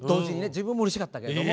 自分もうれしかったけども。